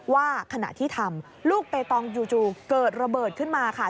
ว่าขณะที่ทำลูกเปตองจู่เกิดระเบิดขึ้นมาค่ะ